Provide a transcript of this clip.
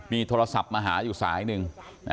มีโทรศัพท์มาหาอยู่สายหนึ่ง